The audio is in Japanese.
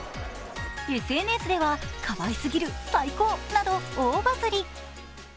ＳＮＳでは、かわいすぎる、最高など大バズり。